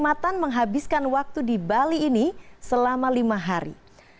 di mana kenikmatan menghabiskan waktu di bali ini selama lima hari